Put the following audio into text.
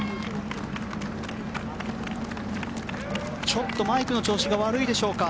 ちょっとマイクの調子が悪いでしょうか。